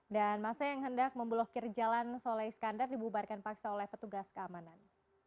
dan masa yang hendak membelokir jalan soleh iskandar dibubarkan paksa oleh petugas keamanan